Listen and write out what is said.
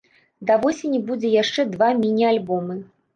Да восені будзе яшчэ два міні-альбомы.